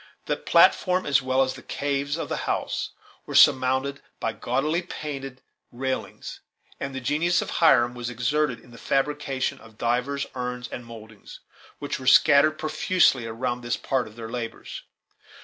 The platform, as well as the caves of the house, were surmounted by gaudily painted railings, and the genius of Hiram was exerted in the fabrication of divers urns and mouldings, that were scattered profusely around this part of their labors.